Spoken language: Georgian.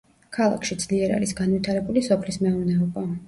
ქალაქში ძლიერ არის განვითარებული სოფლის მეურნეობა.